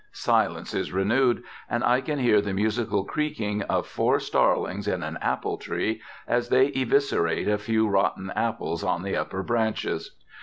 Silence is renewed, and I can hear the musical creaking of four starlings in an apple tree as they eviscerate a few rotten apples on the upper branches.